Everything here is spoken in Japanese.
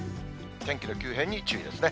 天気の急変に注意ですね。